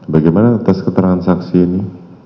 bagaimana atas keterangan saksi ini